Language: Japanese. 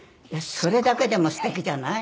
それだけでもすてきじゃない？